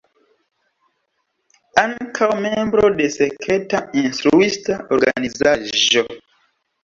Ankaŭ membro de Sekreta Instruista Organizaĵo.